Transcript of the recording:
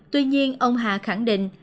tuy nhiên ông hà khẳng định